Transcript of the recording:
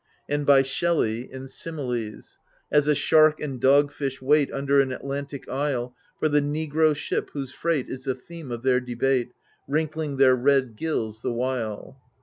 and by Shelley {Similes) : As a shark and dog fish wait Under an Atlantic isle, For the negro ship whose freight Is the theme of their debate, Wrinkling their red gills the while.